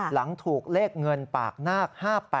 หลังถูกเลขเงินปากนาค๕๘